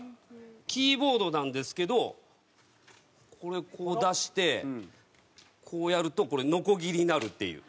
キーボードなんですけどこれこう出してこうやるとこれのこぎりになるっていう。